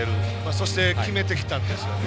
そして、決めてきたんですよね。